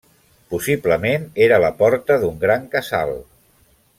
Possiblement era la porta d'un gran casal.